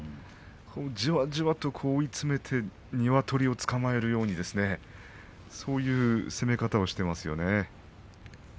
じわじわと追い詰めてニワトリをつかまえるようにそういう攻め方をしていますね。